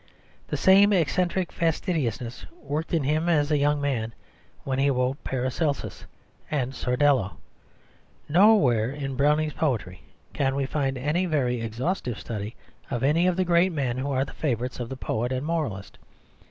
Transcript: The same eccentric fastidiousness worked in him as a young man when he wrote Paracelsus and Sordello. Nowhere in Browning's poetry can we find any very exhaustive study of any of the great men who are the favourites of the poet and moralist.